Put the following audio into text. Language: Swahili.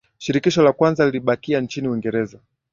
Shirikisho la kwanza lilibakia nchini Uingereza